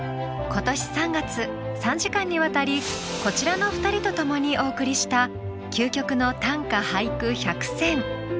今年３月３時間にわたりこちらの２人と共にお送りした「究極の短歌・俳句１００選」。